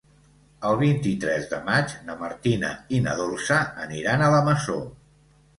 El vint-i-tres de maig na Martina i na Dolça aniran a la Masó.